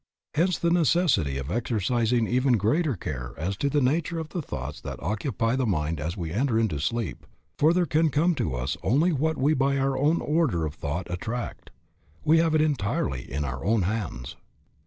Hence the necessity of exercising even greater care as to the nature of the thoughts that occupy the mind as we enter into sleep, for there can come to us only what we by our own order of thought attract. We have it entirely in our own hands.